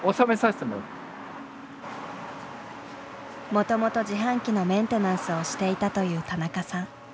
もともと自販機のメンテナンスをしていたという田中さん。